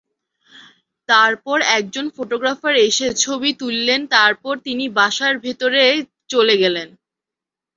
তারপর একজন ফটোগ্রাফার এসে ছবি তুললেন, তারপর তিনি বাসার ভেতরে চলে গেলেন।